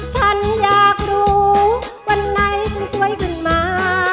ฉันอยากรู้วันไหนฉันสวยขึ้นมา